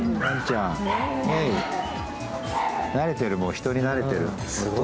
慣れてる、人に慣れてる。